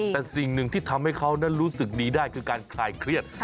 แต่สิ่งหนึ่งที่ทำให้เขานั้นรู้สึกดีได้คือการคลายเครียด